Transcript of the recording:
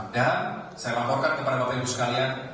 dan saya laporkan kepada bapak ibu sekalian